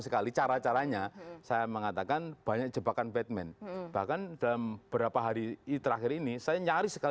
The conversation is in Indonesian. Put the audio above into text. saya mengatakan banyak jebakan batman bahkan dalam berapa hari ini terakhir ini saya nyaris sekali